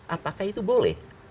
apakah itu boleh